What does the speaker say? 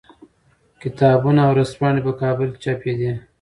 کتابونه او ورځپاڼې په کابل کې چاپېدې.